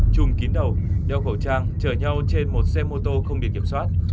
chùm kín đầu đeo khẩu trang chở nhau trên một xe mô tô không biển kiểm soát